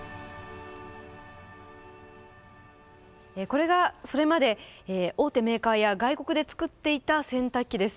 これがそれまで大手メーカーや外国で作っていた洗濯機です。